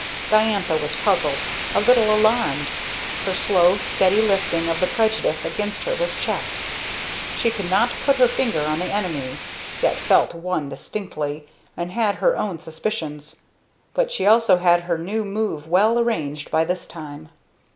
Diantha was puzzled a little alarmed. Her slow, steady lifting of the prejudice against her was checked. She could not put her finger on the enemy, yet felt one distinctly, and had her own suspicions. But she also had her new move well arranged by this time.